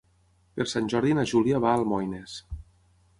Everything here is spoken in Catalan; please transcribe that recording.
Per Sant Jordi na Júlia va a Almoines.